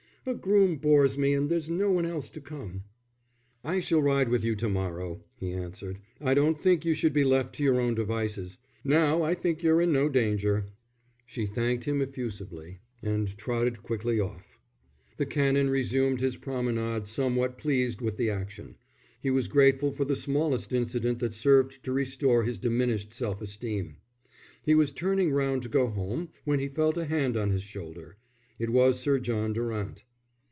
"A groom bores me, and there's no one else to come." "I shall ride with you to morrow," he answered. "I don't think you should be left to your own devices. Now I think you're in no danger." She thanked him effusively and trotted quickly off. The Canon resumed his promenade somewhat pleased with the action: he was grateful for the smallest incident that served to restore his diminished self esteem. He was turning round to go home when he felt a hand on his shoulder. It was Sir John Durant.